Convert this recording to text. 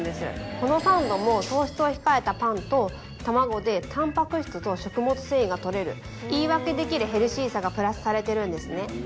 このサンドも糖質を控えたパンと卵でタンパク質と食物繊維がとれる言い訳できるヘルシーさがプラスされているんですね